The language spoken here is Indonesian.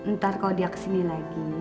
ntar kalau dia kesini lagi